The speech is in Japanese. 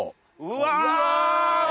うわ！